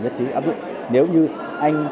nhất chí áp dụng nếu như anh